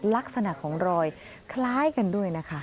ลักษณะของรอยคล้ายกันด้วยนะคะ